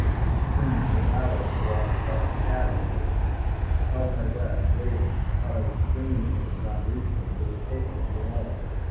It seemed to take hours to walk across the cabin toward me. I held my breath, waiting. I thought I would scream if it did not reach me, it was taking too long.